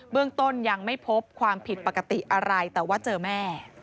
เรื่องต้นยังไม่พบความผิดปกติอะไรแต่ว่าเจอแม่